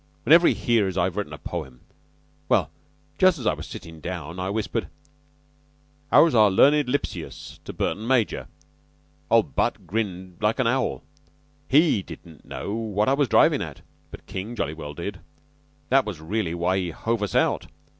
Whenever he hears I've written a poem. Well, just as I was sittin' down, I whispered, 'How is our learned Lepsius?' to Burton major. Old Butt grinned like an owl. He didn't know what I was drivin' at; but King jolly well did. That was really why he hove us out.